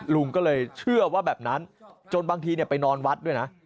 ลุงก็เลยเชื่อว่าแบบนั้นจนบางทีไปนอนวัดด้วยนะ